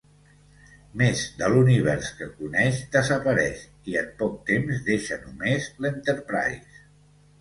Més de l'univers que coneix desapareix i, en poc temps, deixa només l'"Enterprise".